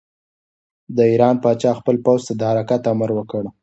د ایران پاچا خپل پوځ ته د حرکت امر ورکړ.